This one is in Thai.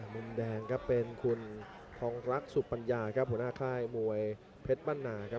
มุมแดงครับเป็นคุณทองรักสุปัญญาครับหัวหน้าค่ายมวยเพชรบ้านนาครับ